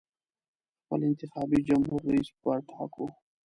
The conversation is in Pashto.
خپل انتخابي جمهور رییس به ټاکو.